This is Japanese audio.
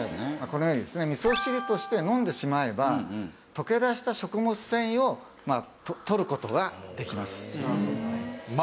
このようにですね味噌汁として飲んでしまえば溶け出した食物繊維をとる事ができます。